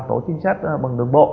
tổ trinh sát bằng đường bộ